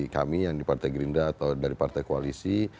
kami yang di partai gerindra atau dari partai koalisi